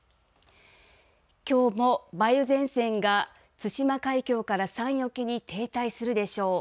きょうも梅雨前線が対馬海峡から山陰沖に停滞するでしょう。